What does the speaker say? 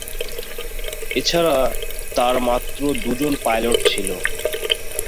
এছাড়া তার মাত্র দুজন পাইলট ছিল।